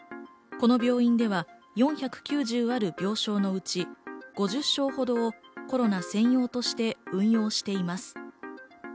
この病院では４９０ある病床のうち、５０床ほどをコロナ専用として運用しています。